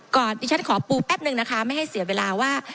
ดิฉันขอปูแป๊บนึงนะคะไม่ให้เสียเวลาว่า